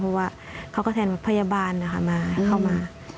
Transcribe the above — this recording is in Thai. เพราะว่าเขาก็แทนพยาบาลนะคะมาเข้ามา